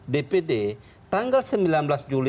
dpd tanggal sembilan belas juli